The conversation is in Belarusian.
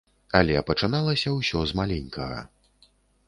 Але пачыналася ўсё з маленькага.